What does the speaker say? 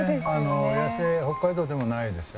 野生北海道でもないですよ